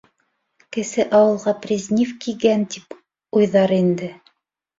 - Кесе ауылға Призниф кигән тип уйҙар инде!